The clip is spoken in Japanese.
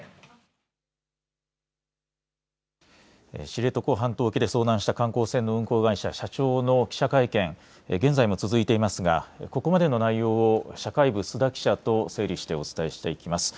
知床半島沖で遭難した観光船の運航会社社長の記者会見、現在も続いていますがここまでの内容を社会部、須田記者と整理してお伝えしていきます。